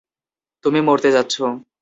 তুমি মরতে যাচ্ছ।